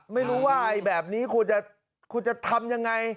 ไม่รู้ว่าแบบนี้ควรจะทำยังไง